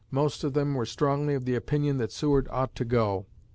Most of them were strongly of the opinion that Seward ought to go.